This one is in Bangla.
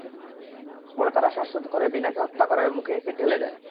পরে তাঁরা শ্বাসরোধ করে বিনাকে হত্যা করে মুখে অ্যাসিড ঢেলে দেন।